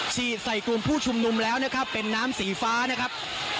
ฉีดใส่กลุ่มผู้ชุมนุมแล้วนะครับเป็นน้ำสีฟ้านะครับ